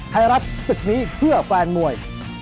ไทยรัฐศึกนี้เพื่อแฟนมวย